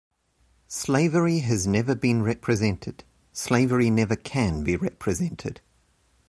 Slavery has never been represented; Slavery never can be represented.